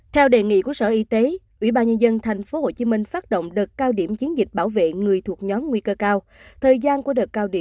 theo đề nghị của sở y tế ủy ban nhân dân tp hcm phát động đợt cao điểm chiến dịch bảo vệ người thuộc nhóm nguy cơ cao